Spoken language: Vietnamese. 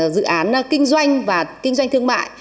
dự án kinh doanh và kinh doanh thương mại